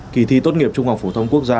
kỳ thi tốt nghiệp trung học phổ thông quốc gia